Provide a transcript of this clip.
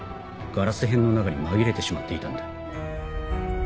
ガラス片の中に紛れてしまっていたんだ。